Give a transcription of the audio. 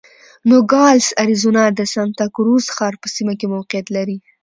نوګالس اریزونا د سانتا کروز ښار په سیمه کې موقعیت لري.